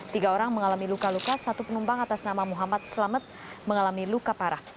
tiga orang mengalami luka luka satu penumpang atas nama muhammad selamet mengalami luka parah